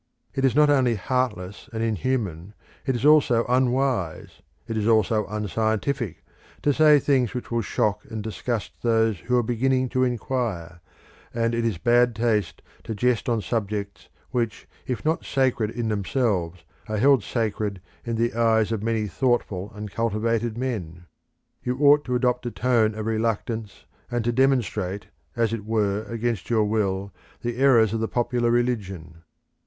It is not only heartless and inhuman, it is also unwise, it is also unscientific, to say things which will shock and disgust those who are beginning to inquire, and it is bad taste to jest on subjects which if not sacred in themselves are held sacred in the, eyes of many thoughtful and cultivated men. You ought to adopt a tone of reluctance and to demonstrate, as it were against your will, the errors of the popular religion.